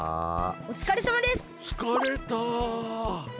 おつかれさまです！